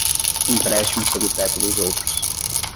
Empréstimo sob o teto dos outros